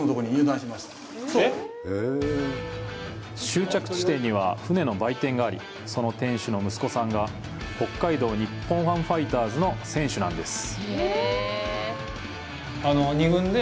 終着地点には舟の売店があり、その店主の息子さんが北海道日本ハムファイターズの選手なんです。